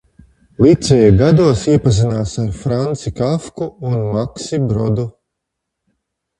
Liceja gados iepazinās ar Franci Kafku un Maksi Brodu.